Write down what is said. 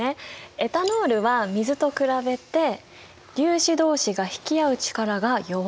エタノールは水と比べて粒子どうしが引き合う力が弱いんだ。